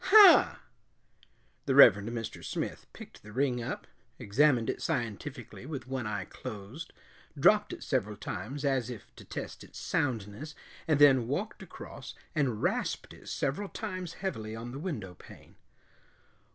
"Huh!" The Reverend Mr. Smith picked the ring up, examined it scientifically with one eye closed, dropped it several times as if to test its soundness, and then walked across and rasped it several times heavily on the window pane.